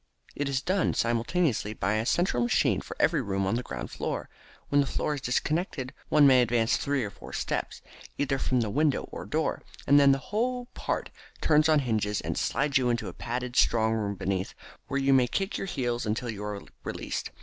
It is done simultaneously by a central machine for every room on the ground floor. When the floor is disconnected one may advance three or four steps, either from the window or door, and then that whole part turns on a hinge and slides you into a padded strong room beneath, where you may kick your heels until you are released.